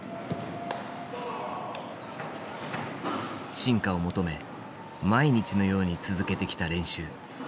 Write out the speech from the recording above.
進化を求め毎日のように続けてきた練習。